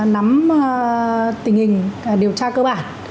nắm tình hình điều tra cơ bản